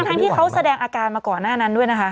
ทั้งที่เขาแสดงอาการมาก่อนหน้านั้นด้วยนะคะ